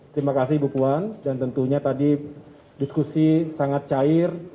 terima kasih ibu puan dan tentunya tadi diskusi sangat cair